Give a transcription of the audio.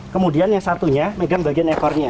kemudian yang satunya megang bagian ekornya